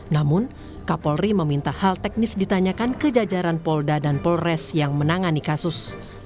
namun kapolri meminta hal teknis ditanyakan ke jajaran polda dan polres yang menangani kasus